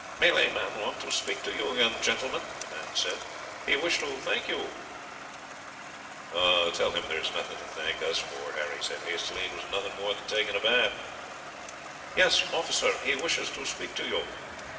"Malay man want to speak to you, young gentlemen," the man said; "he wish to thank you." "Oh, tell him there is nothing to thank us for," Harry said hastily; "it was nothing more than taking a bath." "Yes, officer, but he wishes to speak to you."